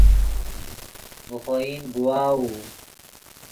ڤے خوئن گواؤو